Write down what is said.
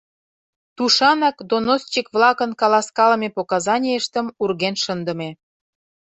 Тушанак доносчик-влакын каласкалыме показанийыштым урген шындыме.